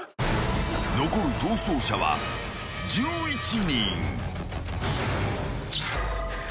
［残る逃走者は１１人］